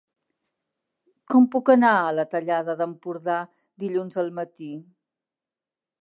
Com puc anar a la Tallada d'Empordà dilluns al matí?